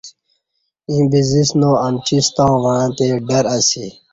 ییں بسزسنا امچِستاں وعݩتے دی ڈر اسی